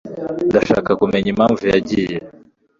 Ndashaka kumenya impamvu yagiye.